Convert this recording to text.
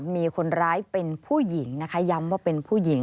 มีคนร้ายเป็นผู้หญิงนะคะย้ำว่าเป็นผู้หญิง